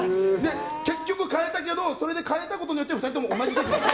結局変えたけどそれで変えたことによって２人とも同じ席になった。